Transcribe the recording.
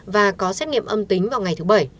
và có xét nghiệm âm tính vào ngày thứ bảy